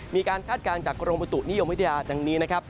มีการคาดการณ์จากกรมประตุนิยมวิทยาฯอย่างนี้